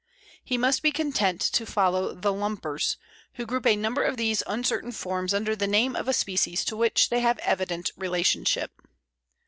He must be content to follow the "lumpers," who group a number of these uncertain forms under the name of a species to which they have evident relationship.